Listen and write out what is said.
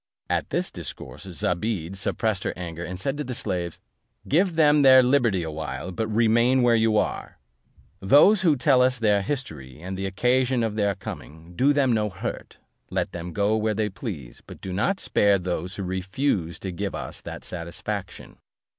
At this discourse Zobeide suppressed her anger, and said to the slaves, "Give them their liberty a while, but remain where you are. Those who tell us their history, and the occasion of their coming, do them no hurt, let them go where they please; but do not spare those who refuse to give us that satisfaction."